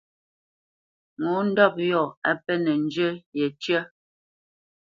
Ŋo ndɔ́p yɔ̂ á pɛ́nǝ zhǝ yecǝ́.